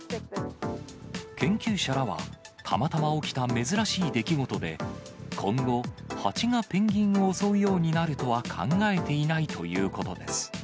研究者らは、たまたま起きた珍しい出来事で、今後、ハチがペンギンを襲うようになるとは考えていないということです。